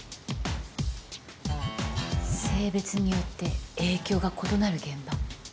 性別によって影響が異なる現場。